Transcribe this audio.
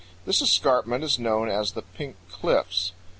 This escarpment is known as the Pink Cliffs.